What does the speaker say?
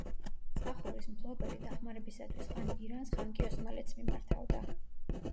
წახურის მფლობელი დახმარებისათვის ხან ირანს, ხან კი ოსმალეთს მიმართავდა.